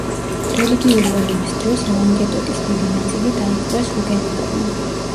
რელიგიური ომების დროს ლანგედოკის დიდი ნაწილი დაიპყრეს ჰუგენოტებმა.